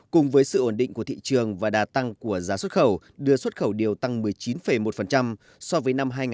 cùng với sự ổn định của thị trường và đa tăng của giá xuất khẩu đưa xuất khẩu điều tăng một mươi chín một so với năm hai nghìn một mươi tám